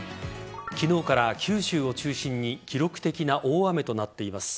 昨日から九州を中心に記録的な大雨となっています。